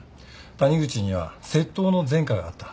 谷口には窃盗の前科があった。